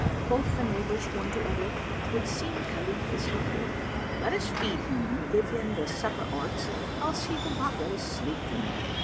'" Quoth the neighbours one to other, "'Twould seem Khalif is hungry; let us feed him and give him the supper orts; else he will not let us sleep to night."